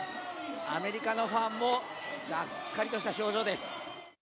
アメリカのファンもがっかりとした表情です。